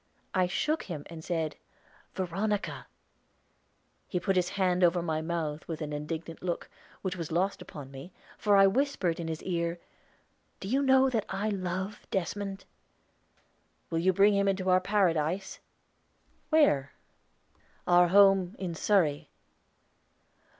I shook him, and said "Veronica." He put his hand over my mouth with an indignant look, which was lost upon me, for I whispered in his ear; "Do you know now that I love Desmond?" "Will you bring him into our Paradise?" "Where?" "Our home, in Surrey."